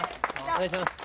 お願いします。